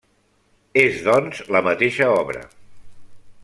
És, doncs, la mateixa obra.